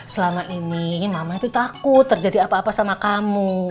selama ini mama itu takut terjadi apa apa sama kamu